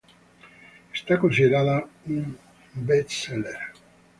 Está considerada un "best seller".